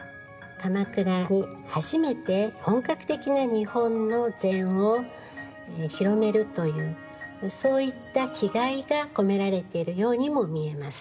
鎌倉に初めて本格的な日本の禅を広めるというそういった気概が込められているようにも見えます。